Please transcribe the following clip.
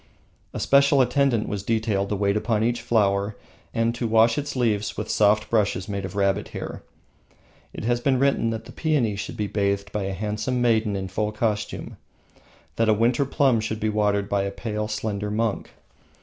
A special attendant was detailed to wait upon each flower and to wash its leaves with soft brushes made of rabbit hair. It has been written ["Pingtse", by Yuenchunlang] that the peony should be bathed by a handsome maiden in full costume, that a winter plum should be watered by a pale, slender monk.